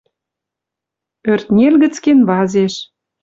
ӧртнел гӹц кенвазеш...